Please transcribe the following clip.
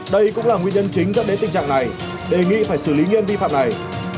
đây cũng là nguyên nhân chính dẫn đến tình trạng này đề nghị phải xử lý nghiêm vi phạm này